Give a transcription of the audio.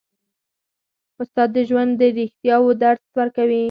استاد د ژوند د رښتیاوو درس ورکوي.